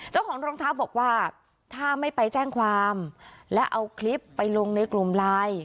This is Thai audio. รองเท้าบอกว่าถ้าไม่ไปแจ้งความและเอาคลิปไปลงในกลุ่มไลน์